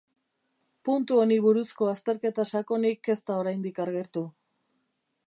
Puntu honi buruzko azterketa sakonik ez da oraindik agertu.